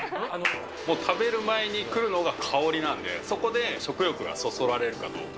食べる前に来るのが香りなんで、そこで食欲がそそられるかどうか。